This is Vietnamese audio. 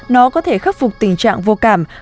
nó có thể khắc phục tình trạng vô cảm